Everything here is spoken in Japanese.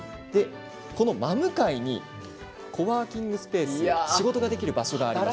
この真向かいにコワーキングスペース仕事ができる場所があります。